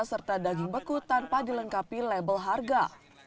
serta daging beku tanpa dilengkapi label harga